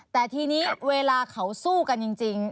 แต่ทีนี้เวลาเขาสู้กันจริง